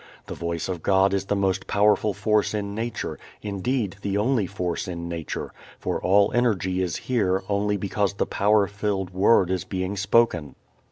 The Voice of God is the most powerful force in nature, indeed the only force in nature, for all energy is here only because the power filled Word is being spoken.